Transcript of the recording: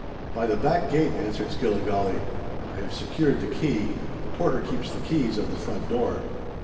"By the back gate," answered Skilligalee. "I have secured the key. The porter keeps the keys of the front door."